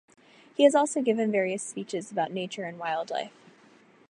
He has also given various speeches about nature and wildlife.